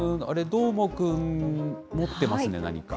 どーもくん、持ってますね、何か。